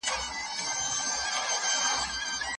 په هغه صورت کي بيا إعجاز نه بلل کيدی.